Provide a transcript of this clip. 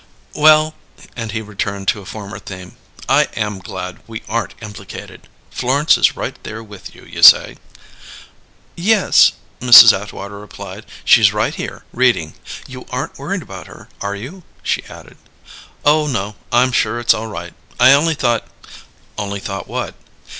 "Well " and he returned to a former theme. "I am glad we aren't implicated. Florence is right there with you, you say?" "Yes," Mrs. Atwater replied. "She's right here, reading. You aren't worried about her, are you?" she added. "Oh, no; I'm sure it's all right. I only thought " "Only thought what?"